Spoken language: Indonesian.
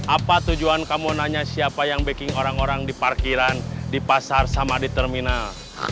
apa tujuan kamu nanya siapa yang baking orang orang di parkiran di pasar sama di terminal